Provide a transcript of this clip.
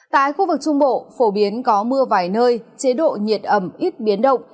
tại khu vực trung bộ phổ biến có mưa vài nơi chế độ nhiệt ẩm ít biến động